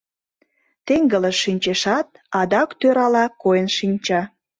Теҥгылыш шинчешат, адак тӧрала койын шинча.